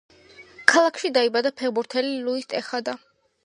ქალაქში დაიბადა ფეხბურთელი ლუის ტეხადა.